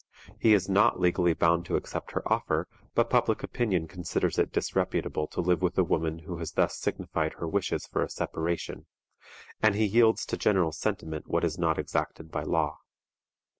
He is not legally bound to accept her offer, but public opinion considers it disreputable to live with a woman who has thus signified her wishes for a separation, and he yields to general sentiment what is not exacted by law.